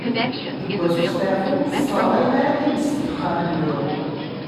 Deg wass n usteɛfu, ur tesseṛɣayem ara times deg yexxamen-nwen.